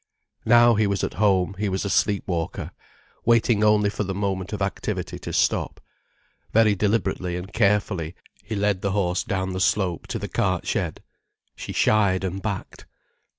Now he was at home, he was a sleep walker, waiting only for the moment of activity to stop. Very deliberately and carefully, he led the horse down the slope to the cart shed. She shied and backed.